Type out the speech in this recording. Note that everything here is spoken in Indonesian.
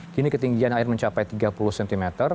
kini ketinggian air mencapai tiga puluh cm